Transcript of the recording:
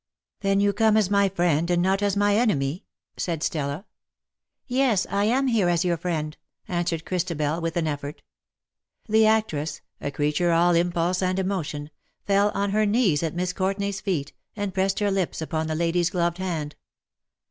" Then you come as my friend, and not as my enemy ?" said Stella. '' LOVE IS LOVE FOR EVERMORE." 287 ^' Yes^ I am here as your friend/^ answered Christabel, with an effort. The actress — a creature all impulse and emotion — fell on her knees at Miss Courtenay's feetj and pressed her lips upon the lady^s gloved hand.